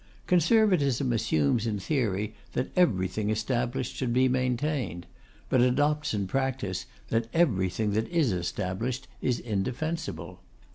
Conservatism assumes in theory that everything established should be maintained; but adopts in practice that everything that is established is indefensible.